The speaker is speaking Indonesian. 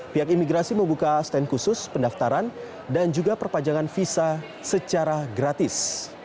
pihak imigrasi membuka stand khusus pendaftaran dan juga perpanjangan visa secara gratis